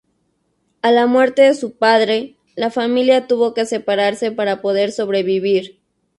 A la muerte de su padre, la familia tuvo que separarse para poder sobrevivir.